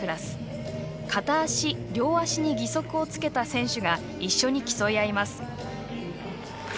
片足、両足に義足をつけた選手が一緒に競い合います。